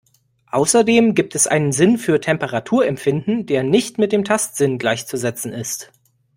Außerdem gibt es einen Sinn für Temperaturempfinden, der nicht mit dem Tastsinn gleichzusetzen ist.